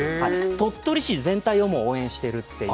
鳥取市全体を応援しているという。